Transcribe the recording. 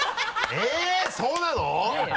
えっそうなの？